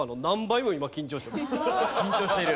緊張している？